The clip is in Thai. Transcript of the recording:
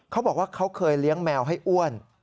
เขาบอกว่าเขาเคยเลี้ยงแมวให้อ้วน